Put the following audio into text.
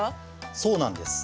そうなんです。